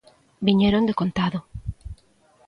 Viñeron decontado.